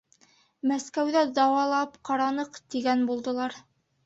Мәскәүҙә дауалап ҡараһаҡ, тигән булдылар.